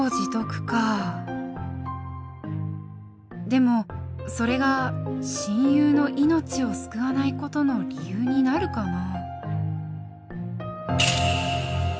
でもそれが親友の命を救わない事の理由になるかな。